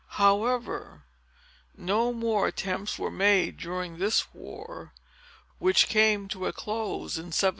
"However, no more attempts were made during this war, which came to a close in 1713.